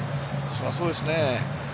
そりゃそうですね。